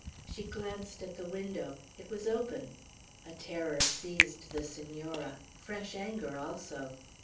She glanced at the window. It was open. A terror seized the Senora; fresh anger also.